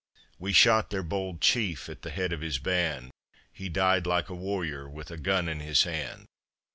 We shot their bold chief at the head of his band. He died like a warrior with a gun in his hand.